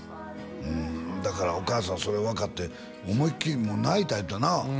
うんだからお母さんそれを分かって思いっきり泣いた言うてたな？